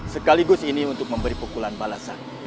sekaligus ini untuk memberi pukulan balasan